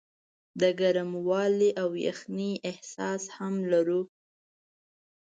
د ګرموالي او یخنۍ احساس هم لرو.